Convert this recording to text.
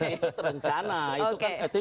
itu terencana itu kan